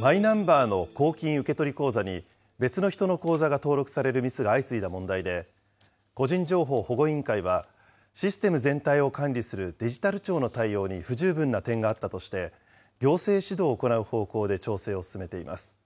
マイナンバーの公金受取口座に別の人の口座が登録されるミスが相次いだ問題で、個人情報保護委員会は、システム全体を管理するデジタル庁の対応に不十分な点があったとして、行政指導を行う方向で調整を進めています。